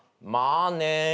「まあね」